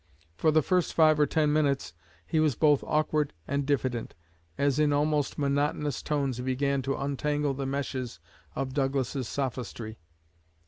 For the first five or ten minutes he was both awkward and diffident, as in almost monotonous tones he began to untangle the meshes of Douglas's sophistry.